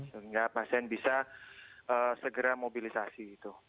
sehingga pasien bisa segera mobilisasi